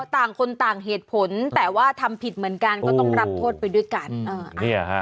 ต่างคนต่างเหตุผลแต่ว่าทำผิดเหมือนกันก็ต้องรับโทษไปด้วยกัน